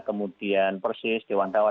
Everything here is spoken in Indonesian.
kemudian persis dewantawa